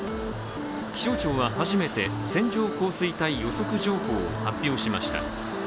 気象庁は初めて線状降水帯予測情報を発表しました。